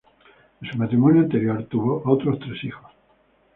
De su matrimonio anterior tuvo otros tres hijos.